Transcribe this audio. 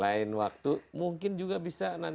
lain waktu mungkin juga bisa